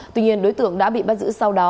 tuy nhiên đối tượng đã bị bắt giữ sau đó